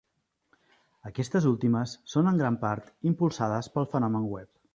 Aquestes últimes són en gran part impulsades pel fenomen web.